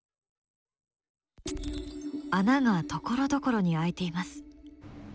穴がところどころに開いています。